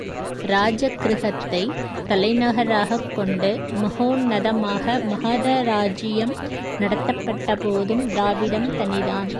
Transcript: இராஜக்கிருகத்தைத் தலைநகராகக் கொண்டு மகோன்னத மாக மகதராஜ்யம் நடத்தப்பட்ட போதும், திராவிடம் தனிதான்.